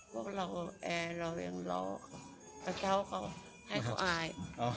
พวกเรายังรอพระเจ้าให้เขาอาย